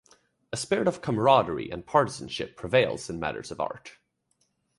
A spirit of camaraderie and partisanship prevails in matters of art.